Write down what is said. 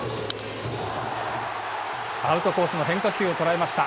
アウトコースの変化球を捉えました。